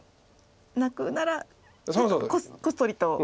泣くならこっそりと。